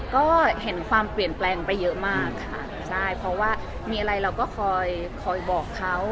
ก็เห็นความเปลี่ยนแปลงไปเยอะมากค่ะใช่เพราะว่ามีอะไรเราก็คอยบอกเขา